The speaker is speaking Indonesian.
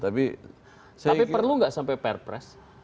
tapi perlu nggak sampai perpres